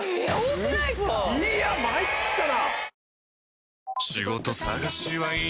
いや参ったな。